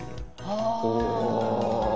お！